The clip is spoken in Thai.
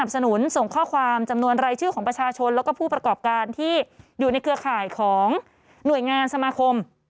สนุนส่งข้อความจำนวนรายชื่อของประชาชนแล้วก็ผู้ประกอบการที่อยู่ในเครือข่ายของหน่วยงานสมาคม